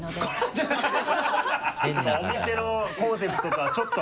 お店のコンセプトからちょっと外れた。